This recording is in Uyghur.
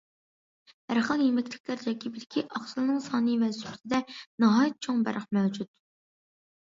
ھەر خىل يېمەكلىكلەر تەركىبىدىكى ئاقسىلنىڭ سانى ۋە سۈپىتىدە ناھايىتى چوڭ پەرق مەۋجۇت.